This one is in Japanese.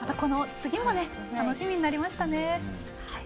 次もまた楽しみになりましたね。